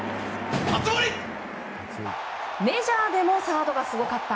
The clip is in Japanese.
メジャーでもサードがすごかった。